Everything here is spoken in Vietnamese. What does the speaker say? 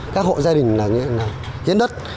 các hộ gia đình hiến đất